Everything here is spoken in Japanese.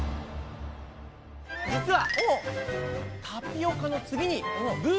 実は！